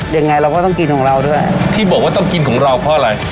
ยังไงเราก็ต้องกินของเราด้วยที่บอกว่าต้องกินของเราเพราะอะไร